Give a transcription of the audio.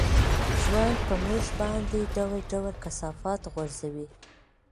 ژوند په موږ باندې ډول ډول کثافات غورځوي.